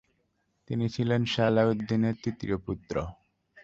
তিনি ছিলেন সালাহউদ্দিনের তৃতীয় পুত্র।